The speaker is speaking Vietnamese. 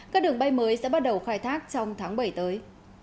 các đường bay mới sẽ bắt đầu khai thác trong tháng bảy tới